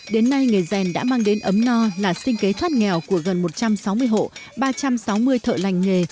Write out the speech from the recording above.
đến nay nghề rèn đã mang đến ấm no là sinh kế thoát nghèo của gần một trăm sáu mươi hộ ba trăm sáu mươi thợ lành nghề